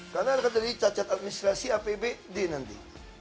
karena akan jadi cacat administrasi apbd nanti